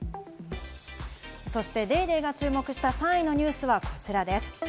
そして『ＤａｙＤａｙ．』が注目した３位のニュースはこちらです。